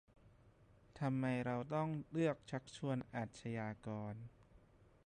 ทำไมเราต้องเลือกชักชวนอาชญากร